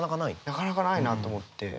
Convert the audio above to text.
なかなかないなと思って。